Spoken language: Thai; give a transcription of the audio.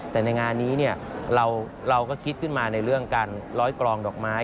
แต่ในงานนี้เราก็คิดขึ้นมาในเรื่องการร้อยกรองดอกไม้